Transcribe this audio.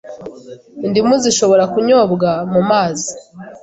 indimu zishobora kunyobwa mu mazi